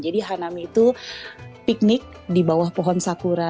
jadi hanami itu piknik di bawah pohon sakura